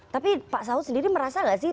tapi pak saud sendiri merasa nggak sih